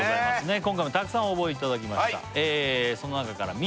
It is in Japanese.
今回もたくさん応募いただきました